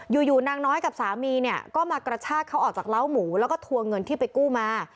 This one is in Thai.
อยู่นางน้อยกับสามีเนี่ยก็มากระชากเขาออกจากเล้าหมูแล้วก็ทัวร์เงินที่ไปกู้มา